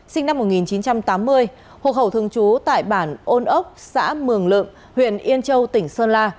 sinh năm một nghìn chín trăm tám mươi hộp hậu thương chú tại bản ôn ốc xã mường lượng huyện yên châu tỉnh sơn la